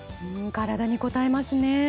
体にこたえますね。